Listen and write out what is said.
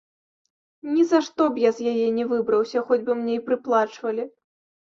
Нізашто б я з яе не выбраўся, хоць бы мне й прыплачвалі.